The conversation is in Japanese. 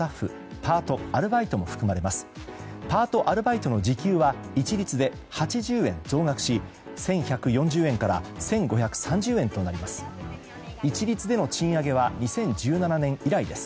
パート、アルバイトの時給は一律で８０円増額し１１４０円から１５３０円となります。